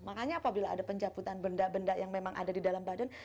makanya apabila ada pencaputan benda benda yang memang ada di dalam badan